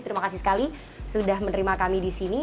terima kasih sekali sudah menerima kami disini